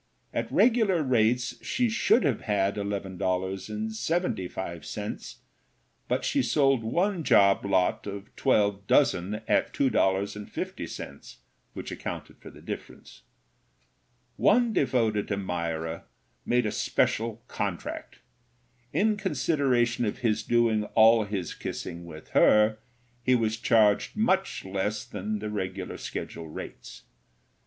At regular rates she should have had $11.75, but she sold one job lot of twelve dozen at $2.50, which accounted for the difference. One devoted admirer made a special contract. In consideration of his doing all his kissing with her, he was charged much less than the regular schedule rates.